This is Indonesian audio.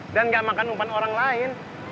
dan gak makan umpan orang lain